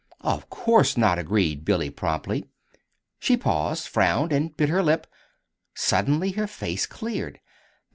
"Of course not," agreed Billy, promptly. She paused, frowned, and bit her lip. Suddenly her face cleared.